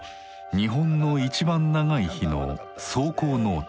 「日本のいちばん長い日」の草稿ノート。